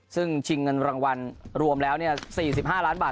ซึ่งชิงเงินรางวัลรวมแล้ว๔๕ล้านบาท